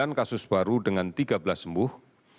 jambi dua kasus baru dengan tiga belas sembuh